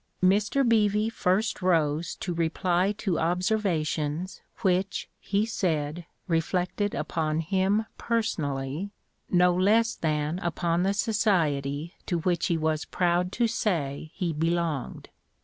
Mr Beevy first rose to reply to observations which, he said, reflected upon him personally, no less than upon the society to which he was proud to say he belonged.